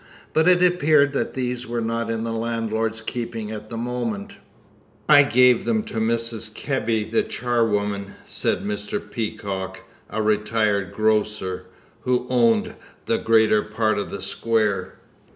But it appeared that these were not in the landlord's keeping at the moment. "I gave them to Mrs. Kebby, the charwoman," said Mr. Peacock, a retired grocer, who owned the greater part of the square.